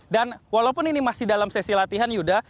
dan walaupun ini masih dalam sesi latihan yuda